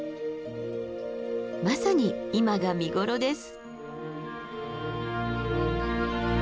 まさに今が見頃です。